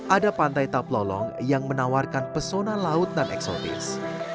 ada pantai taplolong yang menawarkan pesona laut dan eksotis